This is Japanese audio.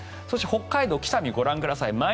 そして北海道の北見ご覧ください。